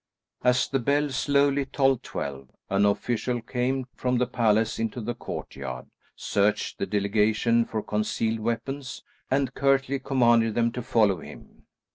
As the bell slowly tolled twelve, an official came from the palace into the courtyard, searched the delegation for concealed weapons, and curtly commanded them to follow him.